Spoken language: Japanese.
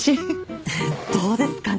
どうですかね。